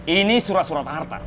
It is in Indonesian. ini surat surat harta